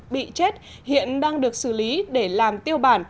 bị chết hiện đang được xử lý để làm tiêu bản